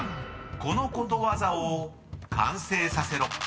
［このことわざを完成させろ］